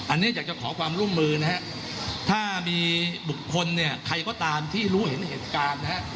อันนี้อยากจะขอความร่วมมือถ้ามีบุคคลใครก็ตามที่รู้เห็นเหตุการณ์